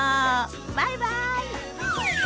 バイバイ。